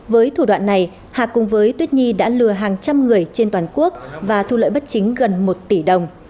với thủ đoạn này hà cùng với tuyết nhi đã lừa hàng trăm người trên toàn quốc và thu lợi bất chính gần một tỷ đồng